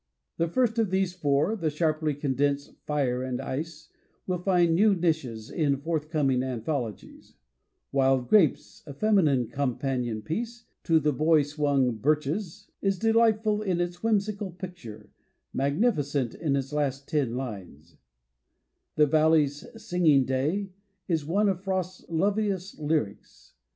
The first of these four, the sharply con densed "Fire and Ice", will find new niches in forthcoming anthologies; "Wild Grapes", a feminine companion piece to the boy swung "Birches", is delightful in its whimsical picture, magnificent in its last ten lines; "The Valley's Singing Day" is one of Frost's loveliest lyrics.